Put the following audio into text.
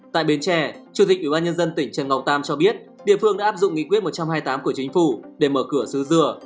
tại bến tre chủ tịch ủy ban nhân dân tỉnh trần ngọc tam cho biết địa phương đã áp dụng nghị quyết một trăm hai mươi tám của chính phủ để mở cửa xứ dừa